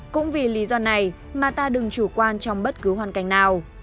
cũng vì lý do này mà ta đừng chủ quan trong bất cứ hoàn cảnh nào